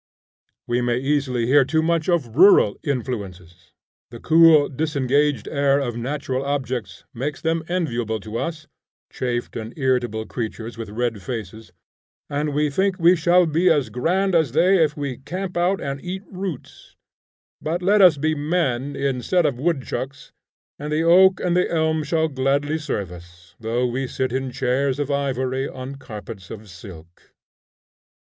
We may easily hear too much of rural influences. The cool disengaged air of natural objects makes them enviable to us, chafed and irritable creatures with red faces, and we think we shall be as grand as they if we camp out and eat roots; but let us be men instead of woodchucks and the oak and the elm shall gladly serve us, though we sit in chairs of ivory on carpets of silk.